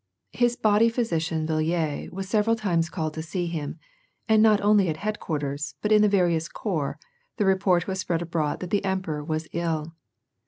His body physician Villiers was several times called to see him, and not only at headquarters, but in the various corps, the report was spread abroad that the emperor was ill.